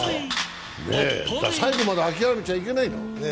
最後まで諦めちゃいけないと。